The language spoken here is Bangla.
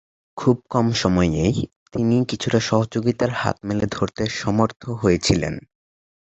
খুব কম সময়েই তিনি কিছুটা সহযোগিতার হাতে মেলে ধরতে সমর্থ হয়েছিলেন।